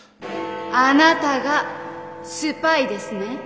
あなたがスパイですね。